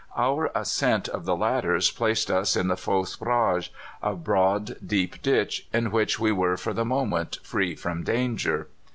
"Our ascent of the ladders placed us in the Fausse Brage a broad, deep ditch in which we were for the moment free from danger.